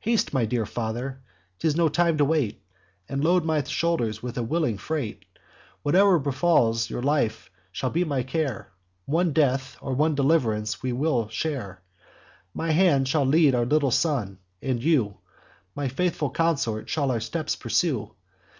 'Haste, my dear father, ('tis no time to wait,) And load my shoulders with a willing freight. Whate'er befalls, your life shall be my care; One death, or one deliv'rance, we will share. My hand shall lead our little son; and you, My faithful consort, shall our steps pursue.